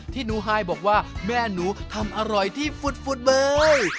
ที่นุฮายบอกว่าแม่หนูทำอร่อยที่ฟุตฟุตเบย